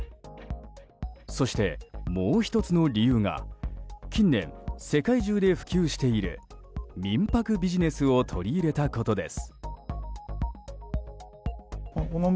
そして、もう１つの理由が近年、世界中で普及している民泊ビジネスを取り入れたことです。